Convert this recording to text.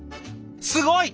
すごい！